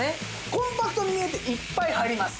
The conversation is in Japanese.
コンパクトに見えていっぱい入ります。